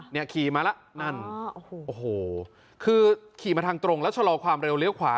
ขี่มาแล้วนั่นโอ้โหคือขี่มาทางตรงแล้วชะลอความเร็วเลี้ยวขวา